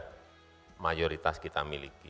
sudah mayoritas kita miliki